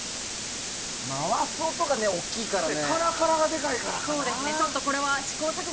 回す音が大きいからね。